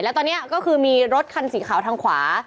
แล้วตอนนี้ก็คือมีรถคันสีขาวทางขวา